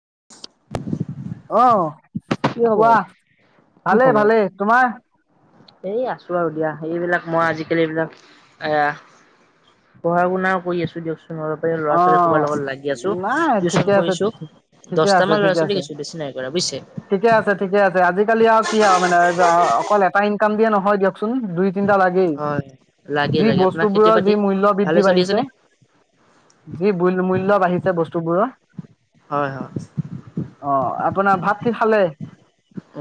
[inaudible] অঁ কি কোৱা খবৰ কি ভালে খবৰ? ভালে তোমাৰ? এই আছো আৰু দিয়া এইবিলাক মই আজিকালি এইবিলাক এ পঢ়া শুনাও কৰি আছো দিয়কচোন ল'ৰা ছোৱালী অহ কোবাৰ লগত লাগি আছো নাই ঠিকে টিউচন আছে কৰিছো ঠিকে দহট আছে মান ল'ৰা ঠিকে ছোৱালী আছে গৈছো বেছি নাই কৰা ঠিকে বুজিছে আছে ঠিকে আছে আজিকালি আৰু কি আৰু মানে অকল এটা ইনকাম দিয়ে নহয় দিয়কচোন দুই চিন্তা লাগেই হয়। লাগে যি লাগে আপোনাৰ খেতি বস্তুবোৰৰ যি বাতি মূল্য ভালে বৃদ্ধি চলি আছে বাঢ়িছে। নে? যি বুলো ম আহিছে বস্তুবোৰৰ হয় হয় অ আপোনাৰ ভাত? কি খালে?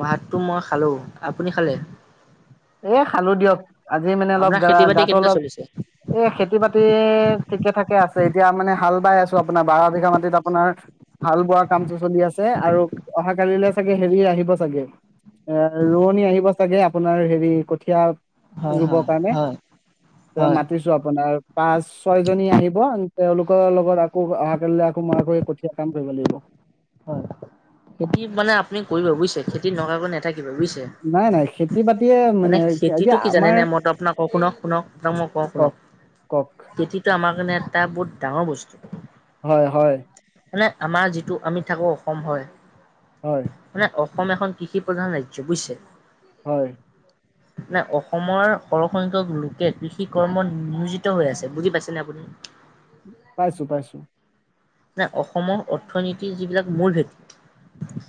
ভাতটো মই খালো আপুনি খালে? খালো দিয়ক। আজি মানে অলপ আপোনাৰ গা খেতি বাতি গাতো কেনেকুৱা অলপ চলিছে? এই খেতি বাতি ঠিকে থঠাকে আছে এতিয়া মানে হাল বাই আছো আপোনাৰ বাৰ বিঘা মাটিত আপোনাৰ হাল বোৱা কামটো চলি আছে আৰু অহাাকালিলৈ চাগে হেৰি আহিব চাগে এ ৰোৱনী আহিব চাগে আপোনাৰ হেৰি কঠিয়া হয় ৰুবৰ হয় কাৰণে হয় হয় মাতিছো আপোনাৰ পাঁচ ছয়জনী আহিব তেওঁলোকৰ লগত আকৌ অহাকালৈ আকৌ মৰাাক কঠীয়া কাম কৰিব লাগিব। হয় খেতি মানে আপুনি কৰিব বুজিছে খেতি নকাব ন থাকিব বুজি নাই নাই খেতি বাতিয়ে মানে এতিয়া খেতিটো কি জানে আমাৰ নে মইতো আপোনাক ক শুনক শুনক আপাক মই কওঁ শুনক কওক কওক খেতিটো আমাৰ কাৰণে এটা বহুত ডাঙৰ বস্তু। হয় হয়। মানে আমাৰ যিটো আমি থাকোঁ অসম হয়। হয়। মানে অসম এখন কৃষি প্ৰধান ৰাজ্য বুজিছে? হয়। নাই অসমৰ সৰহসংখ্যক লোকে কৃষি কৰ্ম নিয়োজিত হৈ আছে বুজি পাইছেনে আপুনি পাইছো পাইছো নাই অসমৰ অৰ্থনীতি যিবিলাক মূল ভেটি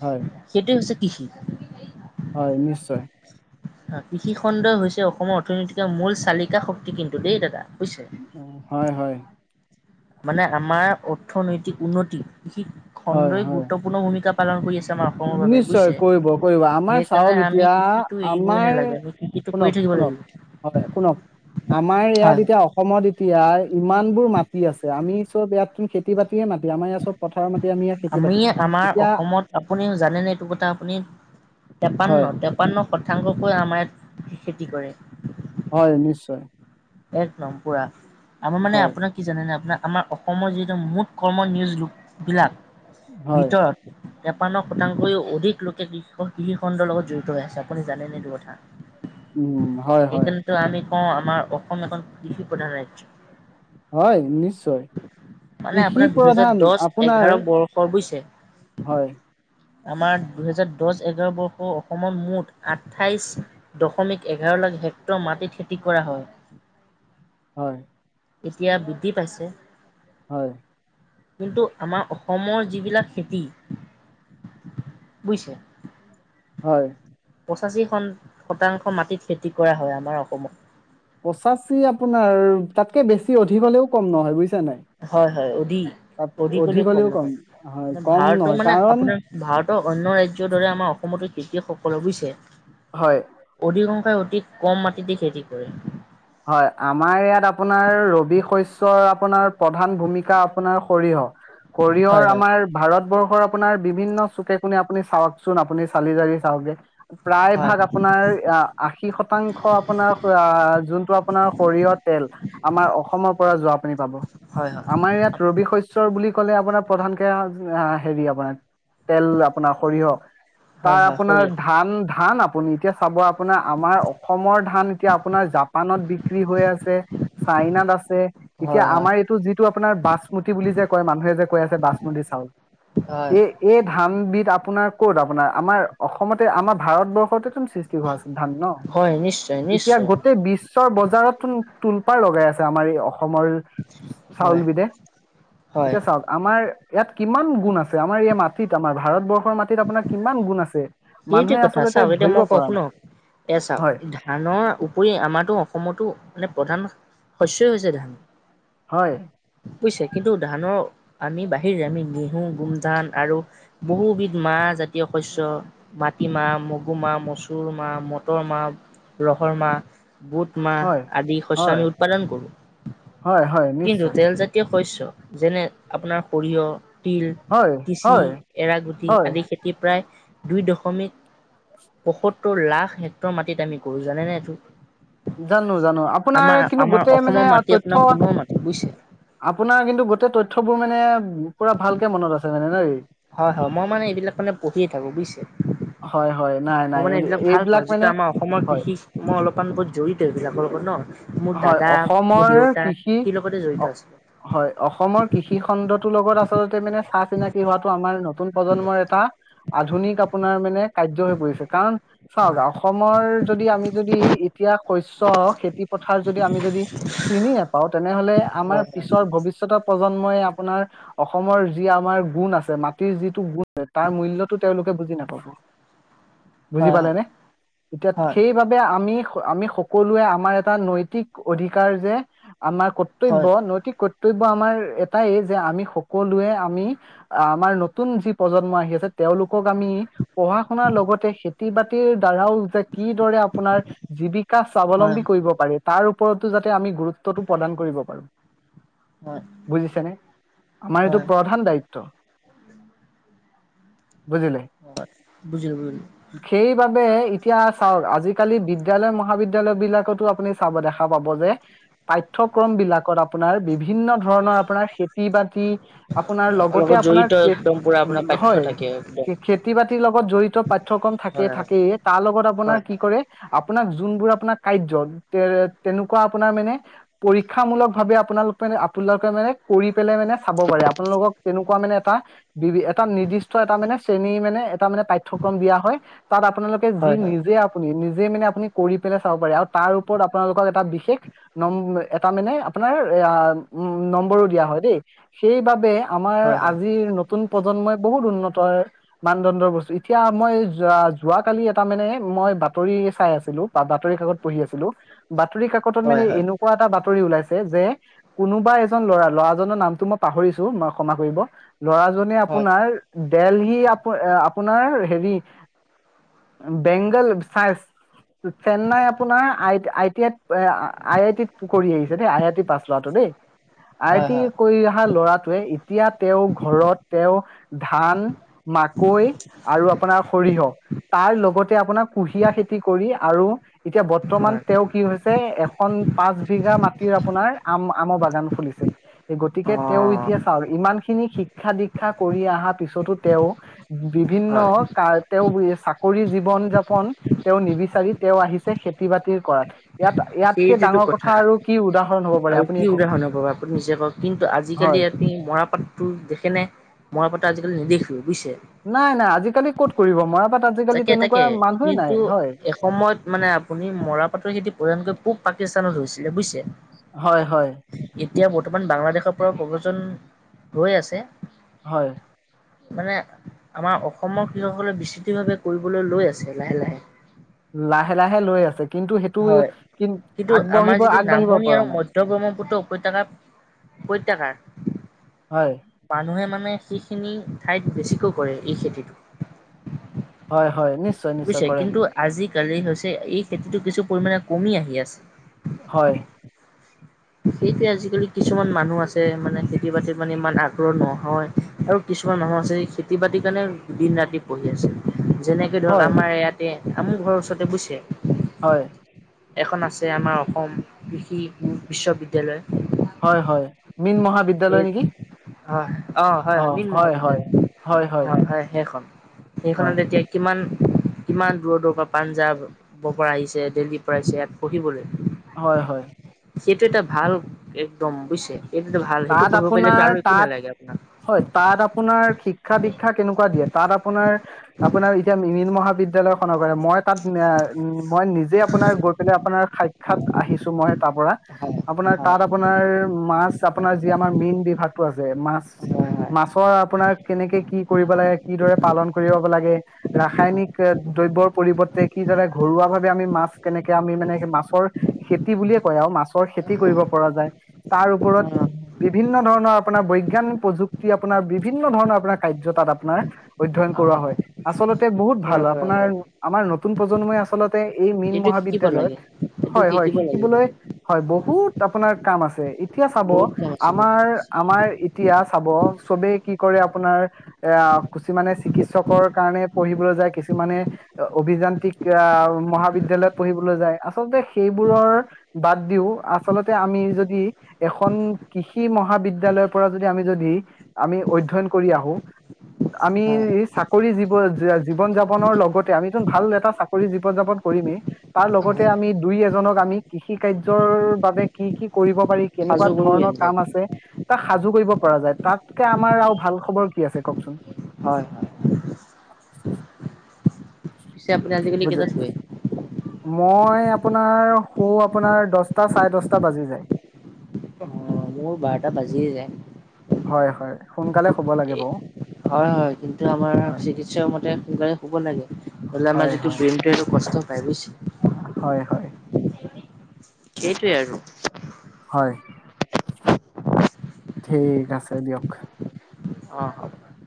হয় সেইটো হৈছে [unintelligible] হয় নিশ্চয় কৃষিখণ্ডই হৈছে অসমৰ অৰ্থনৈতিকৰ মূল চালিকা শক্তি কিন্তু দেই দাদা বুজিছে। হয় হয় মানে আমাৰ অৰ্থনৈতিক উন্নতি বিশেষ হয় খণ্ডই হয় গুৰুত্বপূৰ্ণ ভূমিকা পালন কৰি আছে আমাৰ অসমৰ বাবে নিশ্চয় বুজিছে। কৰিব কৰিব আমাৰ সেইকাৰণে চাওক আমি এতিয়া কৃষিটো এৰিবই আমাৰ নালাগে আমি কৃষিটো কৰি শুনক থাকিব শুনক লাগিব। হয় শুনক আমাৰ ইয়াত হয় হয় এতিয়া অসমত এতিয়া ইমান বোৰ মাটি আছে আমি চব ইয়াতনো খেতি বাতিয়ে মাতি আমাৰ ইয়াত চব পথাৰৰ মাটি ইয়াত খেতি আমি বাতি আমাৰ এতিয়া অসমত আপুনি জানেনে এইটো কথা আপুনি হয় টেপান্ন টেপান্ন শতাংশতকৈ আমাৰ ইয়াত খেতি কৰে হয় নিশ্চয় একদম পুৰা আমাৰ মানে হয় আপোনাৰ কি জানে নে আপোনাৰ আমাৰ অসমৰ যিহেতু মুঠ কৰ্ম নিউজ লোকবিলাক হয় ভিতৰত তেপন্ন শতাংশই অধিক লোকে কৃষিখণ্ডৰ লগত জড়িত হৈ আছে আপুনি জানেনে সেইটো কথা উম হয় হয় অহ আমাৰ অহ এখন কৃষি প্ৰধান ৰাজ্য। হয় নিশ্চয় মানে কৃষি আপোনাৰ দুহেজাৰ প্ৰধান দহ আপোনাৰ এঘাৰ বৰ্ষৰ বুজিছে হয় আমাৰ দুহেজাৰ দহ এঘাৰ বৰ্ষ অসমত মুঠ আঠাইশ দশমিক এঘাৰ লাখ হেক্টৰ মাটিত খেতি কৰা হয়। হয় এতিয়া বৃদ্ধি পাইছে হয় কিন্তু আমাৰ অসমৰ যিবিলাক খেতি বুজিছে হয় পঁচাশী খন শতাংশ মাটিত খেতি কৰা হয় আমাৰ অসমত পঁচাচি আপোনাৰ তাতকৈ বেছি অধিক হ'লেও কম নহয় বুইছে হয় হয় অধিক অধিক হ'লেও কম হয় নহয়। কম ভাৰতৰ নহয় মানে কাৰণ আপোনাৰ ভাৰতৰ অন্য ৰাজ্যৰ দৰে আমাৰ অসমতো খেতিয়কসকলৰ বুইছে হয়। [unintelligible] অতি কম মাটিতে খেতি কৰে। হয় আমাৰ ইয়াত আপোনাৰ ৰবি শস্যৰ আপোনাৰ প্ৰধান ভূমিকা আপোনাৰ সৰিয়হ সৰিয়হৰ হয় হয় আমাৰ ভাৰতবৰ্ষ আপোনাৰ বিভিন্ন চুকে কোনে আপুনি চাওকচোন আপুনি চালি জাৰি চাওগে। প্ৰায় হয় ভাগ আপোনাৰ আশী শতাংশ আপোনাৰ যোন পোনাৰ সৰিয়য় তেল আমাৰ অসমৰ পৰা যোৱাপনি পাব হয় হয় আমাৰ ইয়াত ৰবি শস্যৰ বুলি ক'লে আপোনাৰ প্ৰধানকে হেৰি আপোনাৰ তেল আপোনাৰ সৰিয় হয় তাৰ হয় আপোনাৰ সৰিয়হ ধান, ধান আপ আপুনি এতিয়া চাব আপোনাৰ আমাৰ অসমৰ ধান এতিয়া আপোনাৰ জাপ জাপানত বিক্ৰী হৈ আছে, চাইনাত আছে এতিয়া হয় হয় আমাৰ এইটো যিটো আপোনাৰ বাচমতি বুলি যে কয় মানুহে যে কৈ আছে বাচমতি চাউল হয় এই এই ধানবিধ আপোনাৰ ক'ত, আপোনাৰ আমাৰ অসমতে, আমাৰ ভাৰতবৰ্ষতে সৃষ্টি হোৱা আছিল ধান ন' হয় নিশ্চয় এতিয়া নিশ্চয় গোটেই বিশ ৰ বজাৰত তুলপাৰ লগাই আছে আমাৰ এই অসমৰ হয় চাউলবিদে হয় এতিয়া চাওঁক আমাৰ ইয়াত কিমান গুণ আছে, আমাৰ ইয়াত মাটিত, আমাৰ ভাৰতবৰ্ষ সেইটা মানুহে কথা আচলতে চাওক এতিয়া ধৰিব মই কওঁ পৰা নাই শুনক এয়া চাওক হয় ধানৰ উপৰি আমাৰো অসমতো মানে প্ৰধান শস্যই হৈছে ধান। হয়। বুজিছে, কিন্তু ধানৰ আমি বাহিৰে, আমি গেহু গোমধান আৰু বুট, মাহ হয় আদি শস্য হয় আমি উৎপাদন কৰো, হয় হয় কিন্তু নিশ্চয় প্ৰে শস্য যেনে আপোনাৰ সৰিয়হ তিল, হয় তিচি, হয় এৰাগুটি হয় আদি খেতি প্ৰায় দুই দশমিক পয়সত্তৰ লাখ হেক্টৰ মাটিত আমি কৰো জানেনে এইটো। জানো, জানো, আপোনাৰ আমাৰ কিন্তু আমাৰ গোটেই মানে অসমৰ মাটি আপোনাৰ তথ্য সোণৰ মাটি বুজিছে। আপোনাৰ কিন্তু গোটেই তথ্যবোৰ মানে পুৰা ভালকে মনত আছে মানে নেই। হয়, হয় মই মানে এইবিলাক মানে পঢ়িয়ে থাকো বুজিছে হয় হয় নাই মই নাই মানে এইবিলাক ভাল পাওঁ যিটো মানে আমাৰ অসমৰ হয় কৃষি মই অলপ নত জড়িত এইবিলাকৰ লগত ন'। মোৰ হয়, দাদা মোৰ অসমৰ দেউতা কৃষি সেই লগতে জড়িত আছিলে। হয়, অসমৰ কৃষি খণ্ডটোৰ লগত আচলতে মানে চাহ চিনাকি হোৱাটো আমাৰ ন'। নতুন প্ৰজন্মৰ এটা আধুনিক আপোনাৰ মানে কাৰ্য হৈ পৰিছে কাৰণ চাওক হয় অসমৰ যদি আমি যদি এতিয়া শস্য চ খেতি কথাৰ যদি আমি যদি চিনি নোপাওঁ তেনেহ'লে আমাৰ হয় পিছৰ ভৱিষ্যতৰ প্ৰজন্মই আপোনাৰ অসমৰ যি আমাৰ গুণ আছে মাটিৰ যিটো গুণ তাৰ মূল্যতটো তেওঁলোকে বুজি নাপাব বুজি হয় পালে নে? এতিয়া হয় সেইবাবে আমি। আমি সকলোৱে আমাৰটা এটা নৈতিক অধিকাৰ যে আমাৰ কৰ্তব্য হয় নৈতিক কৰ কৰ্তব্য আমাৰ এটাই যে আমি সকলোৱে আমি আমাৰ নতুন যি প্ৰজন্ম আহি আছে তেওঁলোকক আমি পঢ়া শুনাৰ লগতে খেতি বাতিৰ দ্বাৰাও যে কিদৰে আপোনাৰ জীৱিকা হয় স্বাৱলম্বী কৰিব তাৰ ওপৰতো যাতে আমি গুৰুত্বটো প্ৰদান কৰিব পাৰো হয় বুজিছে ন আমাৰ এইটো হয় প্ৰধান দায়িত্ব বুজিলে হয়। বুজিলো বুজিলো সেইবাবে এতিয়া চাওক আজিকালি বিদ্যালয় মহাবিদ্যালয় বিলাকতো আপুনি ছাব দেখা পাব যে, পাঠ্যক্ৰম বিলাকত আপোনাৰ। আপোনাৰ বিভিন্ন ধৰণৰ আপোনাৰ খেতি বাতি আপোনাৰ লগতে লগত আপোনাৰ জড়িত একদম পুৰা আপোনাৰ পাঠ্য হয় থাকে একদম খেতি বাতিৰ লগত জড়িত পাঠ্য়ক্ৰম থাকে হয় হয় থাকেইে তাৰ লগত আপোনাৰ হয় কি কৰে আপোনাক যোনবোৰ আপোনাৰ কাৰ্য্যত তে তেনেকুৱা আপোনাৰ মানে পৰীক্ষামূলক ভাৱে আপোনালোক মে আপোনালোকে মানে কৰি পেলাই মানে চাব পাৰে আপোনালোকক তেনেকুৱা মানে এটা বি এটা নিৰ্দিষ্ট এটা মানে শ্ৰেণী মানে এটা মানে পাঠ্যক্ৰম দিয়া হয় তাত আপোনালোকে যি হয় নিজে আপুনি নি যে মানে আপুনি কৰি পেলাই চাব পাৰে আৰু তাৰ ওপৰত আপোনালোকক এটা বিশেষ নম এটা মানে আপোনাৰ এ উম নম্বৰো দিয়া হয় দেই সেইবাবে আমাৰ হয় হয় হয় আজিৰ নতুন প্ৰজন্মই বহুত উন্নতৰ মানদণ্ডৰ বস্তু এতিয়া মই য যোৱ কালি এটা মানে মই বাতৰি চাই আছিলো বা বাতৰি কাকত পঢ়ি আছিলো বাতৰি কাকতত হয় মানে হয় হয় এনেকুৱা এটা বাতৰি ওলাইছে যে কোনোবা এজন লৰা লৰাজনৰ নামটো মই পাহৰিছো ম ক্ষমা কৰিব ল'ৰাজনে হয় আপোনাৰ দেলহি, আপোন এ আপোন । আপোনাৰ হেৰি বেংগল চাই চেন্নাই আপোনাৰ আই আই টি আইত আই আই টিত পঢ়ি আহিছে দেই আই আই টি পাছ লোৱাটো দেই আ হয় এতি হয় কৰিৈ অহা ল'ৰাটো এতিয়া তেওঁ ঘৰত তে ধান মাকৈ আৰু আপোনাৰ সৰিয় তাৰ লগতে আপোনাৰ কুঁহিয়া খেতি কৰি আৰু এতিয়া বৰ্তমান। হয় ত্যসে এখন পাঁচ বিঘা মাটিৰ আপোনাৰ আম আমৰ বাগান খুলিছে গতিকে তে অ', এতিয়া চাও ইমান খিনি শিক্ষা দীক্ষা কৰি অহাৰ পিছতো তেও বিভিন্ন হয় কাৰতেও ব আছে কৰিৰি জীৱন যাপন তেওঁ নিবিচাৰি তেওঁ আহিছে খেতি- বাতি কৰা। সেইটোতো কথা উদাহৰণ হ'ব পাৰে আৰু আপুনি কি কওক উদাহৰণৰ পবা আপুনি নিজে কওক কিন্তু হয় আজিকালি আপুনি মৰাপাতটো, দেখেনে মৰাপাতটো আজিকালি নিদেখে বুজছে নাই নাই আজিকালি ক'ত কৰিব মৰাপাট আজিকালি তাকে তেনেকুৱা তাকে মানুহে নাই কিন্তু হয় এসময়ত মানে আপুনি মৰা পাটৰ খেতি প্ৰধানকৈ খুব পাকিস্তানত হৈছিলে বুজিছে । হয়', হয় । বৰ্তমান বাংলাদেশৰ পৰাও প্ৰবজন হৈ আছে। হয় । মানে আমাৰ অসমৰ কৃষকসকলে বিস্তৃতভাৱে কৰিবলৈ লৈ আছে লাহে লাহে লাহে লাহে লৈ আছে। কিন্তু সেইটো হয় কি কিন্তটো আগবাঢ়িব আমাৰ যিটো আগবাঢ়িব নামনি পৰা আৰু নাই মধ্য় ব্ৰহ্মপুত্ৰ উপত্যয়কাৰ উপত্যকাৰ হয় । মানুহে মানে সেইখিনি ঠাইত বেছিকৈ কৰে এই খেতিটো । হয় হয় নিশ্চয় নিশ্চয় বুজছে কৰে কিন্তু আজিকালি হৈছে এই খেতিটো কিছু পৰি কমি আহি আছে হয় সেইটোৱে আজিকালি কিছুমান মানুহ আছে মানে খেতি বাতিত মানে ইমান আগ্ৰহ নহয় আৰু কিছুমান মানুহ আছে খেতি বাতিৰ কাৰণে দিন ৰাতি পঢ়ি আছে। যেনেকে ধৰক হয় আমাৰ ইয়াতে আমাৰ ঘৰৰ ওচৰতে বুইছে হয় এখন আছে আমাৰ অসম কৃষি । উ হয় হয় মীন এই মহাবিদ্যালয় নেকি। হয় । অ হয় হয় মীন মহাবিদ্যালয় হয় হয় সেইখন। হয় সেইখনত এতিয়া কিমান কিমান দূৰৰ দূৰৰ পৰা পাঞ্জাবৰ পৰা আহিছে দিল্লীৰ পৰা আহিছে ইয়াত পঢ়িবলৈ। হয় হয় সেইটো এটা ভাল একদম বুজছে তাত আপোনাৰ তাত আপোনাক হয় তাত আপোনাৰ শিক্ষা দীক্ষা কেনেকুৱা দিয়ে তাত আপোনাৰ আপোনাৰ এতিয়া মীন মহাবিদ্যালয় । বিদ্যালয়নৰ মই তাত মই নিজে আপোনাৰ গৈ পেলাই আপোনাৰ সাক্ষাত আহিছো মই তাৰ পৰা হয় আপোনাৰ তাত আপোনাৰ মাছ । আপোনাৰ যি আমাৰ মেইন বিভাগটো আছে মাছ হয় হয় হয় হয় মাছৰ আপোনাৰ কেনেকে কি কৰিব লাগে কিদৰে পালন কৰিব লাগে ৰাসায়নিক দ্ৰব্যৰ পৰিবৰ্তে কিদৰে ঘৰুৱা ভাৱে আমি মাছ কেনেকে আমি মানে মাছৰ খেতি বুলিয়ে কয় আৰু মাছৰ খেতি কৰিব পৰা যায় তাৰ ওপৰত বিভিন্ন ধৰণৰ আপোনাৰ বৈজ্ঞানিক প্ৰযুক্তি আপোনাৰ বিভিন্ন ধৰণৰ আপোনাৰ কাৰ্য তাত আপোনাৰ অধ্যয়ন কৰোৱা হয়। আ আচল্ততে বহুত ভাল কৰে কৰে আপোনাৰ কৰে আমাৰ নতুন প্ৰজন্মই আচল্ততে এই মীন এইটো শিকিব মহাবিদ্য়ালয়ত লাগে এইটো হয় হয় শিকিব লাগে শিকিবলৈ কিন্তু হয় বহুত আপোনাৰ কাম আছে এতিয়া চাব বহুত কাম আছে বহুত আমাৰ কাম আছে আমাৰ ইতিয়া চাব । চবেই কি কৰে আপোনাৰ এ কিছুমানে চিকিৎসকৰ কাৰণে পঢ়িবলৈ যায় কিছুমানে অভিযান্ত্ৰিক আহ মহাবিদ্যালয়ত পঢ়িবলৈ যায় আচলতে সেইবোৰৰ বাদ দিও আচলতে আমি যদি এখন। কৃষি মহাবিদ্যালয়ৰ পৰা যদি আমি যদি আমি অধ্যয়ন কৰি আহো। আমি হয় এই চাক পৰিজীন যাপনৰ লগতে আম ভাল এটা চাকৰি জীৱন যাপন কৰিমেই তাৰ লগতে হয় আমি দুই এজনক আমি কৃষি কাৰৰ বাবে কি কৰিব পাৰি কেনেকুৱা সাজু কৰোঁ ধৰণৰ দিয়ক। কাম আছে। তাক সাজু কৰিব পৰা যায় তাতকে আমাৰ আৰু ভাল খবৰ কি আছে কওকচোন। হয়। পিছে আপুনি আজিক কালি কেইটাত সুৱে। মই আপোনাৰ শো আপোনাৰ দছটা চাৰে দহটা বাজি যায়। অ মোৰ বাৰটা বাজিয়ে যায় । হয় -হয় সোনকালে হব লাগে বাৰু। হয়', - হয়', কিন্তু আমাৰ হয় চিকিৎস মতে সোনকালে হ'ব লাগেলে আমাৰ হয় যিটো হয় ব্ৰেইনটো কষ্ট প্ৰায়। হয় হয় সেইটোৱে আৰু । হয় । ঠিক আছে দিয়ক । অহ ', - অহ ',